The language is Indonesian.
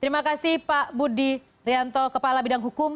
terima kasih pak budi rianto kepala bidang hukum